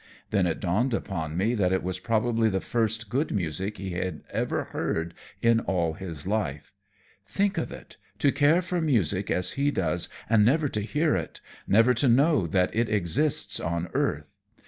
Then it dawned upon me that it was probably the first good music he had ever heard in all his life. Think of it, to care for music as he does and never to hear it, never to know that it exists on earth!